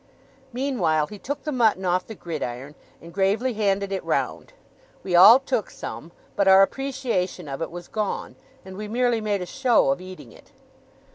Meanwhile he took the mutton off the gridiron, and gravely handed it round. We all took some, but our appreciation of it was gone, and we merely made a show of eating it.